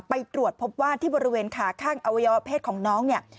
ไปตรวจพบว่าที่บริเวณขาข้างอวัยวะเพศของน้องเนี่ย